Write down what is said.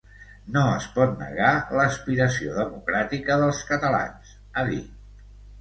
No es pot negar l’aspiració democràtica dels catalans, ha dit.